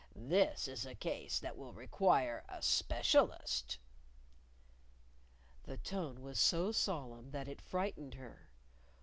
This is a case that will require a specialist." The tone was so solemn that it frightened her.